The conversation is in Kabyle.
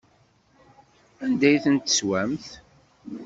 Anda ay ten-teswamt?